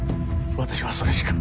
私はそれしか。